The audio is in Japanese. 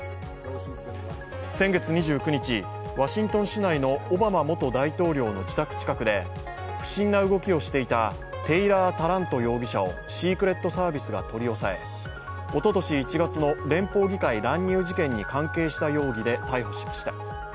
先月２９日、ワシントン市内のオバマ元大統領の自宅近くで不審な動きをしていたテイラー・タラント容疑者をシークレットサービスが取り押さえ、おととし１月の連邦議会乱入事件に関係した容疑で逮捕しました。